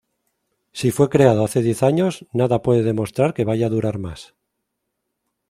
Si fue creado hace diez años, nada puede demostrar que vaya a durar más.